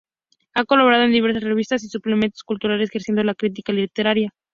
Ha colaborado en diversas revistas y suplementos culturales ejerciendo la crítica literaria.